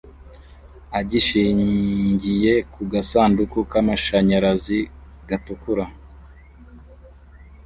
a gishingiye ku gasanduku k'amashanyarazi gatukura